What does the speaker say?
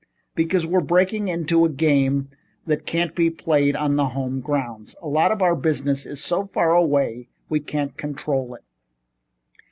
Because we're breaking into a game that can't be played on the home grounds. A lot of our business is so far away we can't control it."